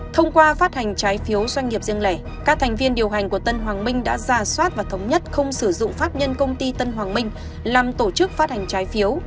thông qua phát hành trái phiếu doanh nghiệp riêng lẻ các thành viên điều hành của tân hoàng minh đã ra soát và thống nhất không sử dụng pháp nhân công ty tân hoàng minh làm tổ chức phát hành trái phiếu